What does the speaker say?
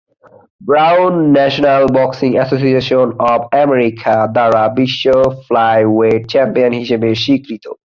Brown National Boxing Association of America দ্বারা বিশ্ব flyweight champion হিসাবে স্বীকৃত।